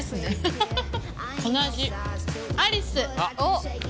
ハハハハ！